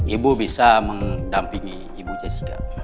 ibu bisa mendampingi ibu jessica